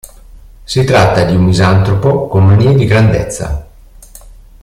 Si tratta di un misantropo con manie di grandezza.